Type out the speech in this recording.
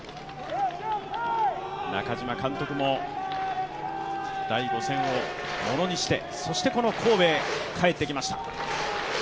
中嶋監督も第５戦をものにしてそしてこの神戸へ帰ってきました。